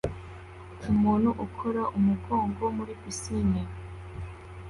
umuntu ukora umugongo muri pisine